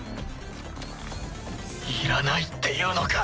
いらないっていうのか。